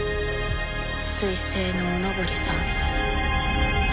水星のお上りさん。